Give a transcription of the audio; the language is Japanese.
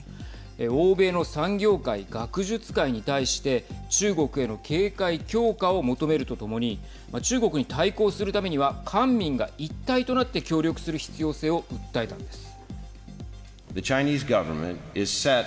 欧米の産業界・学術界に対して中国への警戒強化を求めるとともに中国に対抗するためには官民が一体となって協力する必要性を訴えたんです。